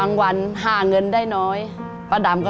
สวัสดีครับ